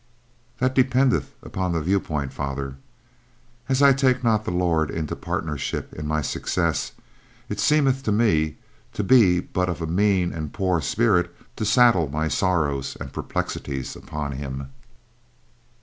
"That dependeth upon the viewpoint, Father; as I take not the Lord into partnership in my successes it seemeth to me to be but of a mean and poor spirit to saddle my sorrows and perplexities upon Him.